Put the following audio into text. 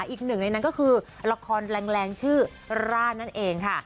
อีกหนึ่งในนั้นก็คือละครแรงชื่อร่านั่นเองค่ะ